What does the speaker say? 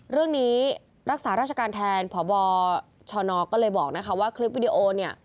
รักษาราชการแทนพบชนก็เลยบอกนะคะว่าคลิปวิดีโอเนี่ย